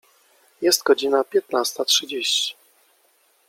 Jest godzina piętnasta trzydzieści.